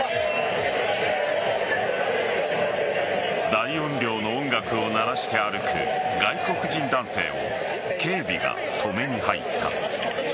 大音量の音楽を鳴らして歩く外国人男性を警備が止めに入った。